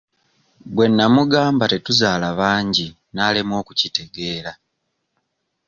Bwe nnamugamba tetuzaala bangi n'alemwa okukitegeera.